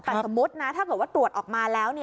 แต่สมมุตินะถ้าเกิดว่าตรวจออกมาแล้ว